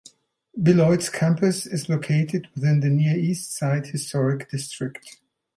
Beloit's campus is located within the Near East Side Historic District.